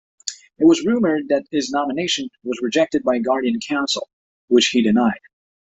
It was rumored that his nomination was rejected by Guardian Council, which he denied.